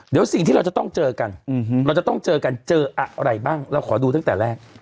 เดี๋ยวสิ่งที่เราจะต้องเจอกันเราจะต้องเจอกันเจออะไรบ้างเราขอดูตั้งแต่แรก